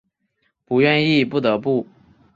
不愿意不得不